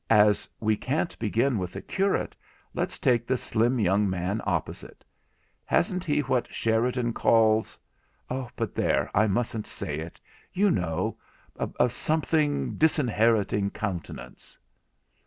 As we can't begin with the curate, let's take the slim young man opposite. Hasn't he what Sheridan calls—but there, I mustn't say it; you know—a something disinheriting countenance?'